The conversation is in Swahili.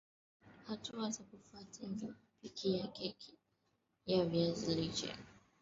Hatua za kufuata kupikia keki ya viazi lishe